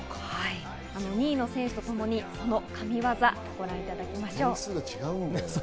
２位の選手とともにその神技をご覧いただきましょう。